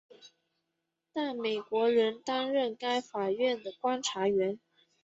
但美国仍担任该法院的观察员。